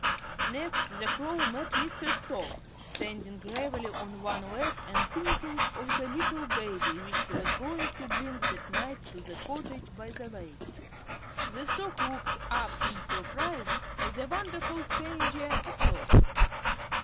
Next the Crow met Mr. Stork, standing gravely on one leg and thinking of the little baby which he was going to bring that night to the cottage by the lake. The Stork looked up in surprise as the wonderful stranger approached.